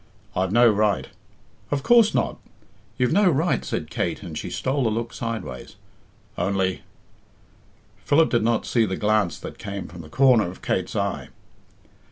"I've no right " "Of course not; you've no right," said Kate, and she stole a look sideways. "Only " Philip did not see the glance that came from the corner of Kate's eye.